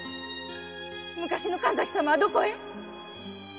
昔の神崎様はどこへ？